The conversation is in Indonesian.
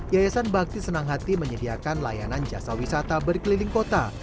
yayasan bakti senang hati menyediakan layanan jasa wisata berkeliling kota